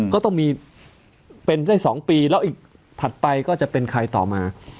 ก็ต้องมีเป็นได้๒ปีแล้วอีกถัดไปก็จะเป็นใครต่อมา